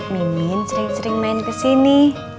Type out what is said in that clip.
mimin sering sering main kesini